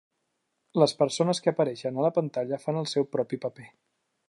Les persones que apareixen a la pantalla fan el seu propi paper.